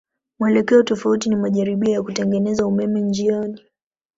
Mwelekeo tofauti ni majaribio ya kutengeneza umeme njiani.